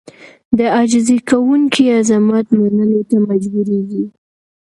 د عاجزي کوونکي عظمت منلو ته مجبورېږي.